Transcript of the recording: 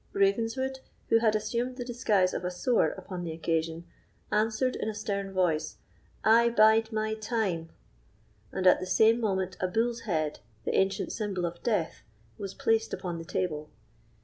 Ravenswood, who had assumed the disguise of a sewer upon the occasion, answered, in a stern voice, "I bide my time"; and at the same moment a bull's head, the ancient symbol of death, was placed upon the table.